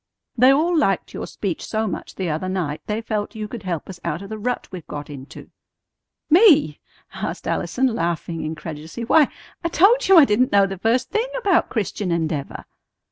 "They all liked your speech so much the other night they felt you could help us out of the rut we've got into." "Me?" asked Allison, laughing incredulously. "Why, I told you I didn't know the first thing about Christian Endeavor."